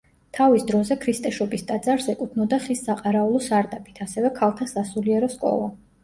თავის დროზე ქრისტეშობის ტაძარს ეკუთვნოდა ხის საყარაულო სარდაფით, ასევე ქალთა სასულიერო სკოლა.